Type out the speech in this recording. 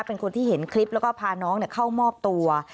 เป็นคนที่เห็นคลิปแล้วก็พาน้องเข้ามอบตัว